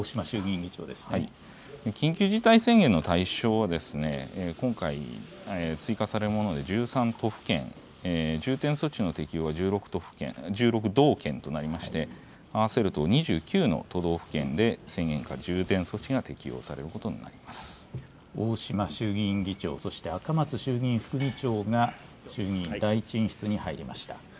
緊急事態宣言の対象はですね、今回、追加されるもので１３都府県、重点措置の適用が１６道県となりまして、合わせると２９の都道府県で宣言か重点措置が適用されることにな大島衆議院議長、赤松衆議院副議長が、衆議院第１委員室に入りました。